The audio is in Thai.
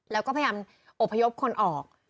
แล้วก็พยายามอบพยพคนออก